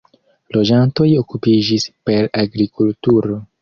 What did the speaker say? Loĝantoj okupiĝis per agrikulturo.